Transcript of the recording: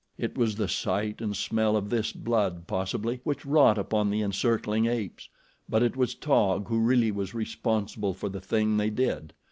It was the sight and smell of this blood, possibly, which wrought upon the encircling apes; but it was Taug who really was responsible for the thing they did.